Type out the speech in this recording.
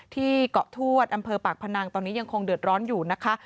ที่เกาะทวดอำเภอปากพนังตอนนี้ยังคงเดือดร้อนอยู่นะคะ